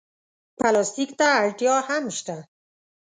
پلاستيک ته اړتیا هم شته.